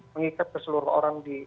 mengikat keseluruh orang di